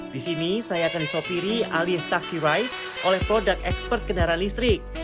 di sini saya akan disopiri alias taksi ride oleh produk ekspert kendaraan listrik